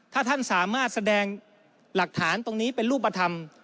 ถ้าท่านสามารถแสดงหลักฐานตรงนี้เป็นรูปธรรม